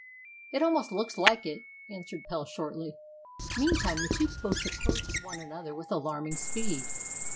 "It almost looks like it," answered Pelle shortly. Meantime the two boats approached one another with alarming speed.